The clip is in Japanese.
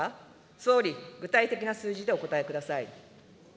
総理、具体的な数字でお答えください。